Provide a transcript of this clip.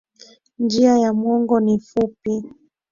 Njia ya mwongo ni fupi.